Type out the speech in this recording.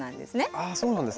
あそうなんですね。